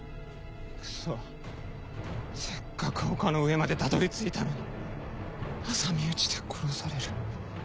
クソせっかく丘の上までたどり着いたのに挟み撃ちで殺される。